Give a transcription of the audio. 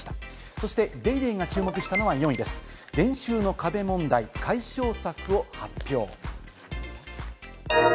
そして『ＤａｙＤａｙ．』が注目したのは４位です、年収の壁問題、解消策を発表。